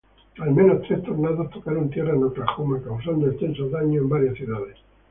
Al menos tres tornados tocaron tierra en Oklahoma, causando extensos daños en varias ciudades.